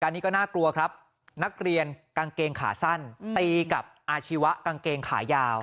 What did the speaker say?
อันนี้ก็น่ากลัวครับนักเรียนกางเกงขาสั้นตีกับอาชีวะกางเกงขายาว